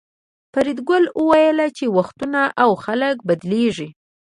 فریدګل وویل چې وختونه او خلک بدلیږي